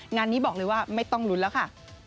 งานนี้บอกเลยว่าไม่ต้องลุ้นแล้วค่ะ